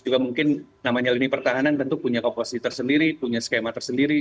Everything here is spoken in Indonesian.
karena mungkin namanya lini pertahanan tentu punya komposi tersendiri punya skema tersendiri